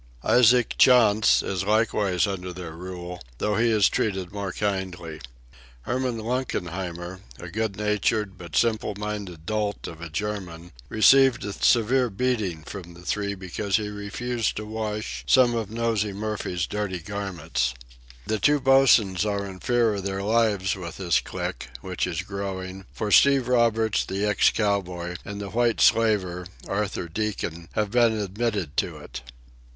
Isaac Chantz is likewise under their rule, though he is treated more kindly. Herman Lunkenheimer, a good natured but simple minded dolt of a German, received a severe beating from the three because he refused to wash some of Nosey Murphy's dirty garments. The two bosuns are in fear of their lives with this clique, which is growing; for Steve Roberts, the ex cowboy, and the white slaver, Arthur Deacon, have been admitted to it.